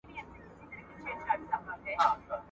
پښتو په مینه او شوق سره ولیکه.